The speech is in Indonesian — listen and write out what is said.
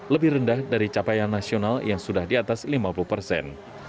lebih rendah dari capaian nasional yang sudah di atas lima puluh persen